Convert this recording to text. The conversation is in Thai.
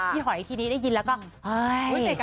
หอยทีนี้ได้ยินแล้วก็